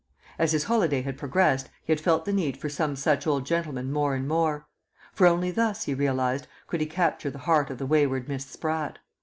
As his holiday had progressed he had felt the need for some such old gentleman more and more; for only thus, he realised, could he capture the heart of the wayward Miss Spratt.